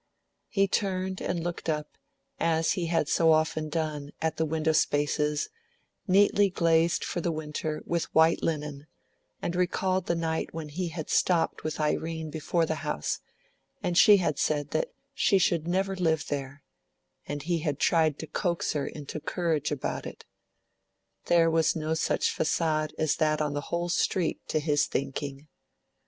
He turned and looked up, as he had so often done, at the window spaces, neatly glazed for the winter with white linen, and recalled the night when he had stopped with Irene before the house, and she had said that she should never live there, and he had tried to coax her into courage about it. There was no such facade as that on the whole street, to his thinking.